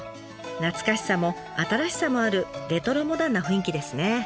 懐かしさも新しさもあるレトロモダンな雰囲気ですね。